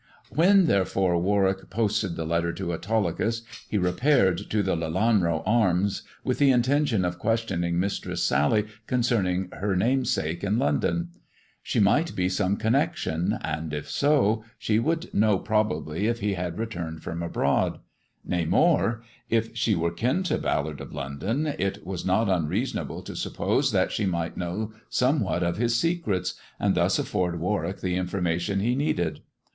When, therefore, Warwick posted the letter to Autolycus, he repaired to the "Lelanro Arms" with the intention of questioning Mistress Sally concerning her namesake in London. She might be some connection, and, if so, she would know probably if he had returned from abroad. Nay, more; if she were kin to Ballard of London it was not unreasonable to suppose that she might know somewhat of his secrets, and thus afford Warwick the information he needed.